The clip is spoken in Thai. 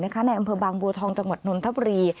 ในอำเภอบางบัวทองจังหวัดนนทบุรี